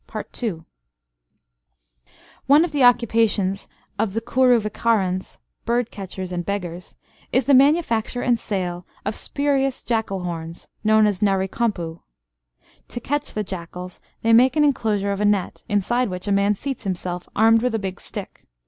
One of the occupations of the Kuruvikkarans (bird catchers and beggars) is the manufacture and sale of spurious jackal horns, known as narikompu. To catch the jackals they make an enclosure of a net, inside which a man seats himself armed with a big stick.